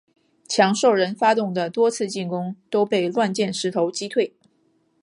强兽人发动的多次进攻都被乱箭石头击退。